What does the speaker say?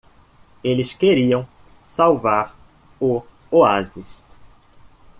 Eles queriam salvar o oásis.